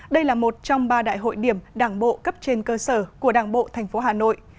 đây là một trong ba đại hội điểm đảng bộ cấp trên cơ sở của đảng bộ thành phố hà nội